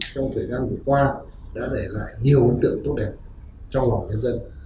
trong thời gian vừa qua đã để lại nhiều ấn tượng tốt đẹp trong lòng nhân dân